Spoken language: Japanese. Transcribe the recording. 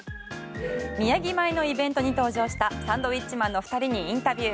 宮城米のイベントに登場したサンドウィッチマンの２人にインタビュー。